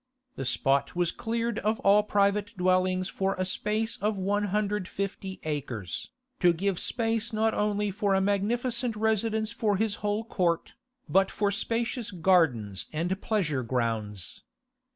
The spot was cleared of all private dwellings for a space of 150 acres, to give space not only for a magnificent residence for his whole court, but for spacious gardens and pleasure grounds.